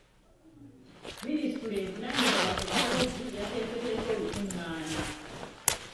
Ministule evunaanyizibwa ku bakozi yateeseteese olukungaana.